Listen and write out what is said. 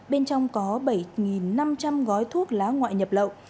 bên trong có bảy năm trăm linh gói thuốc lá ngoại nhập lậu